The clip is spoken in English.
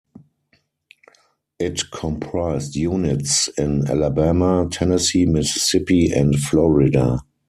It comprised units in Alabama, Tennessee, Mississippi, and Florida.